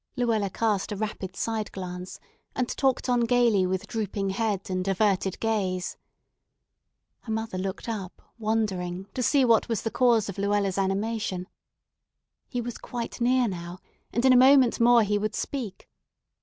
Luella cast a rapid side glance, and talked on gayly with drooping head and averted gaze. Her mother looked up, wondering, to see what was the cause of Luella's animation. He was quite near now, and in a moment more he would speak.